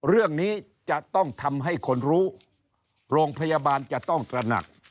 เรื่องนี้จะต้องทำให้คนรู้โรงพยาบาลจะต้องตระหนัก